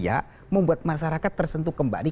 sesuatu yang bagi dia membuat masyarakat tersentuh kembali